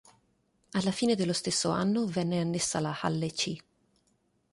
Alla fine dello stesso anno venne annessa la "Halle C".